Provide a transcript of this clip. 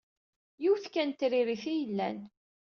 Yiwet kan n tririt i yellan.